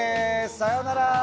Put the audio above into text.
さようなら。